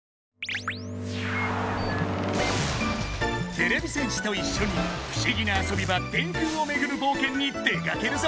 てれび戦士といっしょに不思議な遊び場電空をめぐる冒険に出かけるぞ！